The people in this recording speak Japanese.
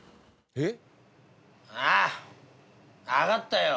えっ？